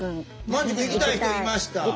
万治くん行きたい人いました。